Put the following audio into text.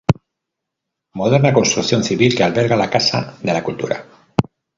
Moderna construcción civil que alberga la Casa de la Cultura.